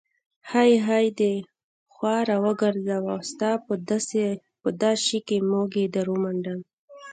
های های دې خوا راوګرزه، ستا په دا شي کې موږی در ومنډم.